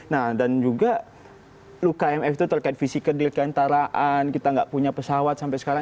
nah dan juga luka imf itu terkait visi kedirkantaraan kita nggak punya pesawat sampai sekarang